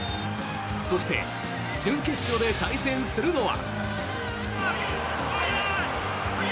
そして準決勝で対戦するのは。